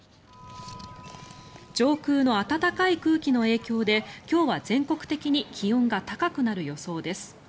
上空の暖かい空気の影響で今日は全国的に気温が高くなる予想です。